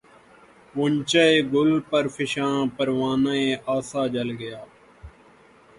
غنچۂ گل پرفشاں پروانہ آسا جل گیا